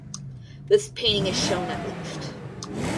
This painting is shown at left.